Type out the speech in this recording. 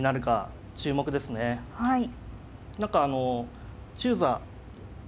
はい。